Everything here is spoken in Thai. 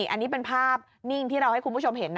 อันนี้เป็นภาพนิ่งที่เราให้คุณผู้ชมเห็นนะ